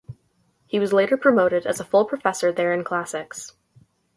He was later promoted as a full professor there in Classics.